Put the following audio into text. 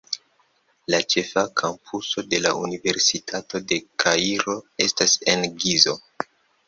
La ĉefa kampuso de la Universitato de Kairo estas en Gizo.